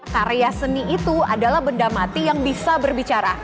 karya seni itu adalah benda mati yang bisa berbicara